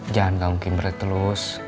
jangan kamu kimberly terus